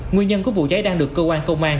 nguyên nhân của vụ cháy đang được cơ quan công an